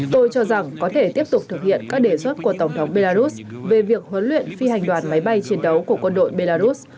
tôi cho rằng có thể tiếp tục thực hiện các đề xuất của tổng thống belarus về việc huấn luyện phi hành đoàn máy bay chiến đấu của quân đội belarus